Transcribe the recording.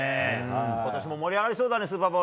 ことしも盛り上がりそうだね、スーパーボウル。